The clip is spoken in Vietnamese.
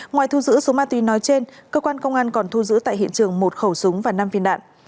ngoài thu giữ số ma túy nói trên cơ quan công an còn thu giữ tại hiện trường một khẩu súng và năm viên đạn